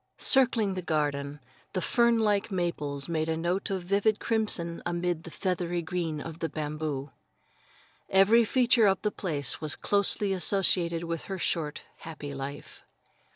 Circling the garden, the fern like maples made a note of vivid crimson amid the feathery green of the bamboo. Every feature of the place was closely associated with her short happy life.